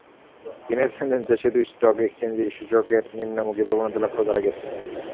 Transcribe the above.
দিনের লেনদেন শেষে দুই স্টক এক্সচেঞ্জেই সূচকের নিম্নমুখী প্রবণতা লক্ষ করা গেছে।